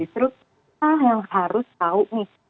justru kita yang harus tahu nih